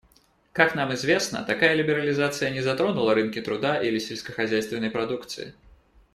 Как нам известно, такая либерализация не затронула рынки труда или сельскохозяйственной продукции.